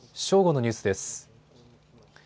正午のニュースです。